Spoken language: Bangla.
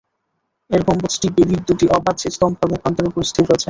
এর গম্বুজটি বেদীর দুটি অবাধ স্তম্ভ এবং প্রান্তের উপর স্থির রয়েছে।